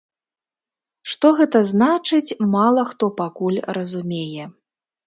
Што гэта значыць, мала хто пакуль разумее.